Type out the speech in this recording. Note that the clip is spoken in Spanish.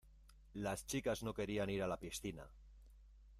Las chicas no querían ir a la piscina.